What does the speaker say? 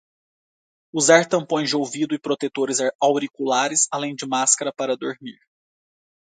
Usar tampões de ouvido e protetores auriculares, além de máscara para dormir